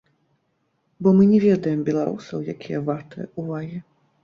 Бо мы не ведаем беларусаў, якія вартыя ўвагі.